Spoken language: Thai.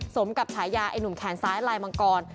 สมกับฉายาไอ้หนุ่มแขนซ้ายลายมังกร